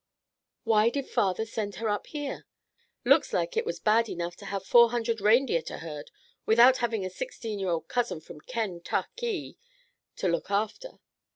Why did father send her up here? Looks like it was bad enough to have four hundred reindeer to herd, without having a sixteen year old cousin from Ken tuck ie to look after."